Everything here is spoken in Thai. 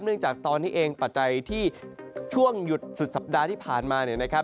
จากตอนนี้เองปัจจัยที่ช่วงหยุดสุดสัปดาห์ที่ผ่านมาเนี่ยนะครับ